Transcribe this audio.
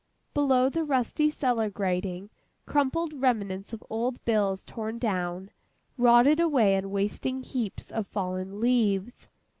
Below the rusty cellar grating, crumpled remnants of old bills torn down, rotted away in wasting heaps of fallen leaves.